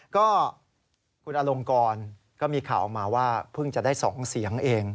ก็คุณอลงกรก็มีข่าวออกมาว่าเพิ่งจะได้๒เสียงเอง